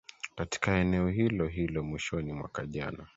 katika eneo hilo hilo mwishoni mwaka jana